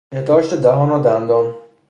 بهداشت دهان و دندان